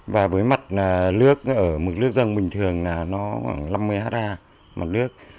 với mặt nước ở mực nước dân bình thường là khoảng năm mươi ha mặt nước